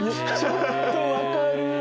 ちょっと分かる。